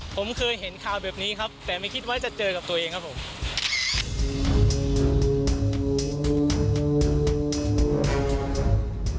ผมเคยเห็นข่าวแบบนี้ครับแต่ไม่คิดว่าจะเจอกับตัวเองครับผม